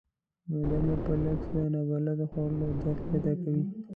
معده مو په لږ څه نابلده خوړو درد پیدا کوي.